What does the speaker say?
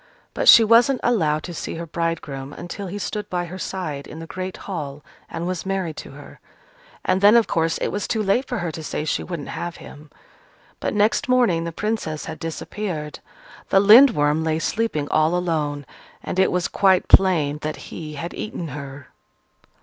But she wasn't allowed to see her bridegroom until he stood by her side in the great hall and was married to her, and then, of course, it was too late for her to say she wouldn't have him. But next morning the Princess had disappeared. The Lindworm lay sleeping all alone: and it was quite plain that he had eaten her.